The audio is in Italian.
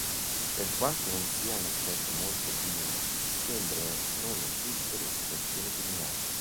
Per quanto non sia una specie molto comune sembrano non insistere situazioni di minaccia.